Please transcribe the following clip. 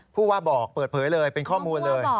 ผู้ว่าบอกเปิดเผยเลยเป็นข้อมูลเลย